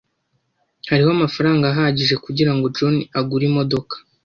Hariho amafaranga ahagije kugirango John agure imodoka.